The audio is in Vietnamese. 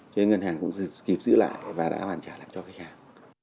cho nên ngân hàng cũng kịp giữ lại và đã bàn trả lại cho khách hàng